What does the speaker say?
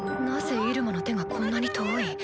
なぜイルマの手がこんなに遠い？